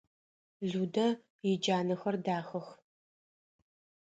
Людэ иджанэхэр дахэх.